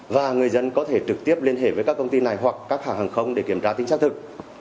và người dân có thể trực tiếp liên hệ với các công ty này hoặc các hãng hàng không để kiểm tra tính xác thực